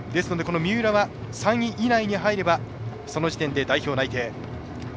三浦は３位以内に入ればその時点で代表内定。